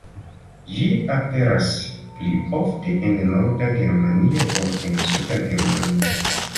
Ĝi aperas pli ofte en norda Germanio ol en suda Germanio.